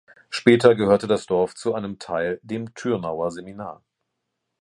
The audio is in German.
Später gehörte das Dorf zu einem Teil dem Tyrnauer Seminar.